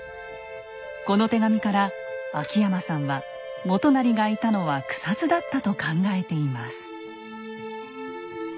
この手紙から秋山さんは元就がいたのは草津だったと考えています。